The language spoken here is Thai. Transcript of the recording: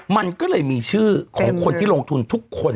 มันก็เลยมีชื่อของคนที่ลงทุนทุกคน